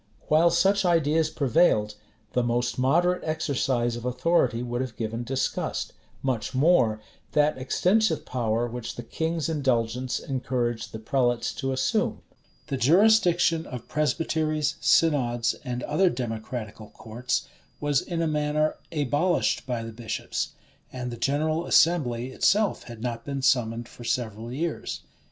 While such ideas prevailed, the most moderate exercise of authority would have given disgust; much more, that extensive power which the king's indulgence encouraged the prelates to assume. The jurisdiction of presbyteries, synods, and other democratical courts, was in a manner abolished by the bishops; and the general assembly itself had not been summoned for several years.